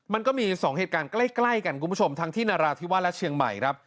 มันก็มี๒เหตุการณ์ใกล้กันทั้งที่นาราธิวันและเชียงใหม่